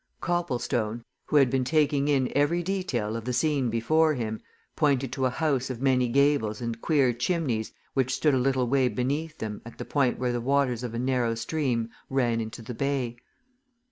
Copplestone, who had been taking in every detail of the scene before him, pointed to a house of many gables and queer chimneys which stood a little way beneath them at the point where the waters of a narrow stream ran into the bay.